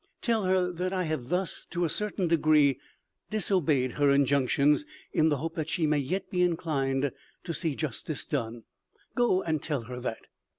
Tell her that I have thus, to a certain degree, disobeyed her injunctions, in the hope that she may yet be inclined to see justice done. Go, and tell her that."